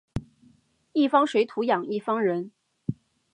一方水土养一方人